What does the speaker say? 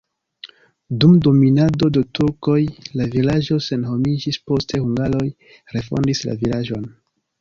Dum dominado de turkoj la vilaĝo senhomiĝis, poste hungaroj refondis la vilaĝon.